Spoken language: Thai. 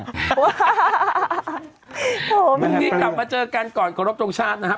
วันนี้กลับมาเจอกันก่อนขอรบทรงชาตินะครับ